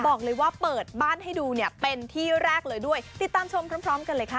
บอกเลยว่าเปิดบ้านให้ดูเนี่ยเป็นที่แรกเลยด้วยติดตามชมพร้อมกันเลยค่ะ